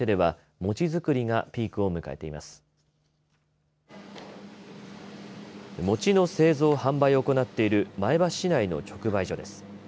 餅の製造・販売を行っている前橋市内の直売所です。